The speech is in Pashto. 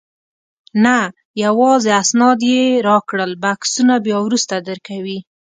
نه، یوازې اسناد یې راکړل، بکسونه بیا وروسته درکوي.